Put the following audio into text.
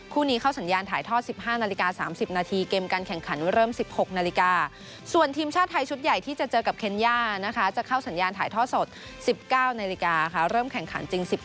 คู่นี้เข้าสัญญาณถ่ายทอด๑๕นาฬิกา๓๐นาทีเกมกันแข่งขันเริ่ม๑๖นาฬิกา